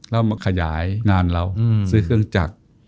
แล้วมาขยายงานเราซื้อเครื่องจักร